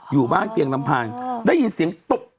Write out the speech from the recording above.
อยู่บ้านเพียงลำพังได้ยินเสียงตบ